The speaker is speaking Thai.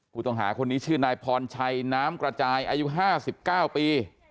ผู้ต้องหาคนนี้ชื่อนายพรชัยน้ำกระจายอายุ๕๙ปี